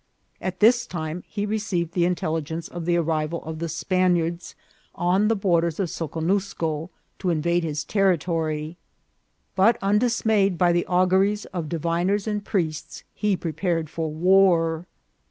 At this time he received intelligence of the arrival of the Spaniards on the borders of Soconusco to invade his territory ; but, undismayed by the auguries of diviners or priests, he prepared for war.